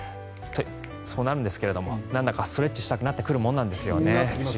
そうなるんですがなんだかストレッチしたくなってくるものですよね。